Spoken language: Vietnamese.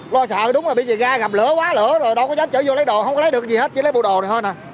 lo sợ đúng là bị gì ra gặp lửa quá lửa rồi đâu có dám chở vô lấy đồ không có lấy được gì hết chỉ lấy bộ đồ này thôi nè